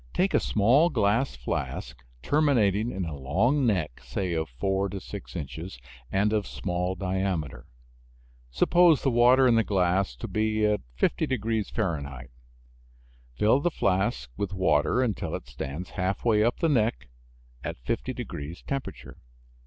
Take a small glass flask, terminating in a long neck, say of four to six inches, and of small diameter. Suppose the water in the glass to be at 50 degrees Fahrenheit. Fill the flask with water until it stands halfway up the neck at 50 degrees temperature.